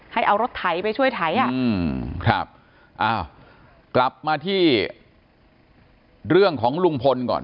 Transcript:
ให้เอารถไถไปช่วยไถอ่ะอืมครับอ้าวกลับมาที่เรื่องของลุงพลก่อน